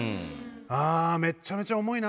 めっちゃめちゃ重いな。